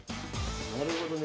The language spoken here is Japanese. なるほどね。